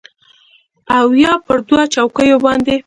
او یا پر دوو چوکیو باندې